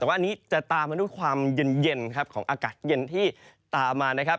แต่ว่าอันนี้จะตามมาด้วยความเย็นครับของอากาศเย็นที่ตามมานะครับ